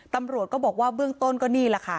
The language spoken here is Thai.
ตำรวจก็บอกว่าเบื้องต้นก็นี่แหละค่ะ